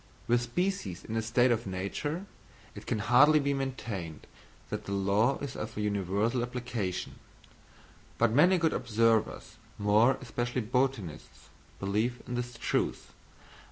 With species in a state of nature it can hardly be maintained that the law is of universal application; but many good observers, more especially botanists, believe in its truth.